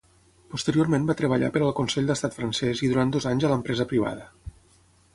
Posteriorment va treballar per al Consell d'Estat francès i durant dos anys a l'empresa privada.